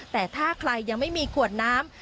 แต่ถ้าใครยังไม่มีขวดน้ำ